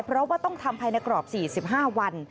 เพราะว่าต้องทำภายในกรอบ๔๕วัน